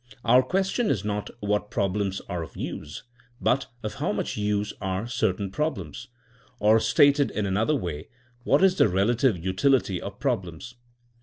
Our question is not — what problems are of useT, but — of how much use are certain problems T, or stated in another way, — ^what is the relative utility of problems?